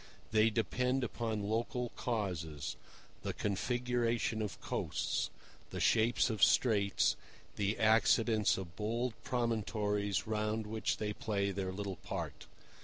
They depend upon local causes—the configuration of coasts, the shapes of straits, the accidents of bold promontories round which they play their little part.